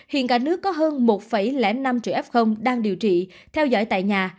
hiện cả nước có hơn một năm triệu f đang điều trị theo dõi tại nhà